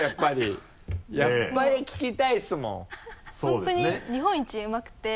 本当に日本一うまくて。